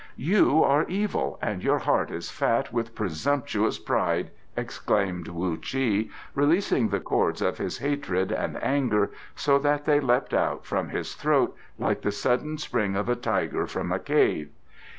"You are evil and your heart is fat with presumptuous pride!" exclaimed Wu Chi, releasing the cords of his hatred and anger so that they leapt out from his throat like the sudden spring of a tiger from a cave.